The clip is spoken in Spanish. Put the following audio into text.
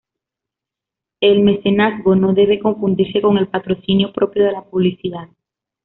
El mecenazgo no debe confundirse con el patrocinio propio de la publicidad.